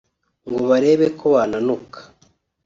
ngo barebe ko bananuka